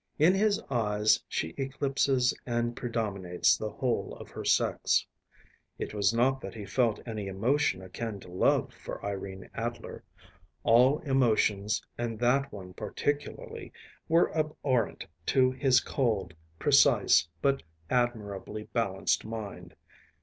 In his eyes she eclipses and predominates the whole of her sex. It was not that he felt any emotion akin to love for Irene Adler. All emotions, and that one particularly, were abhorrent to his cold, precise but admirably balanced mind.